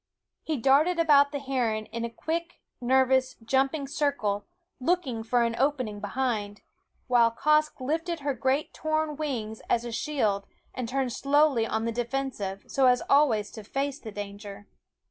He darted about the heron in a quick, nervous, jumping circle, looking for an opening behind ; while Quoskh lifted her great torn wings as a shield and turned slowly on the defensive, so as always to face the danger.